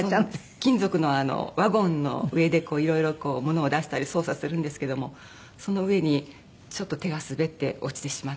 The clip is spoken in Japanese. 金属のワゴンの上でこういろいろ物を出したり操作するんですけどもその上にちょっと手が滑って落ちてしまったんです。